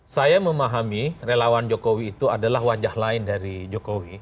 saya memahami relawan jokowi itu adalah wajah lain dari jokowi